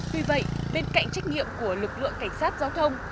vì vậy bên cạnh trách nhiệm của lực lượng cảnh sát giao thông